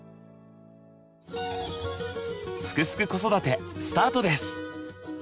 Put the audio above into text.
「すくすく子育て」スタートです！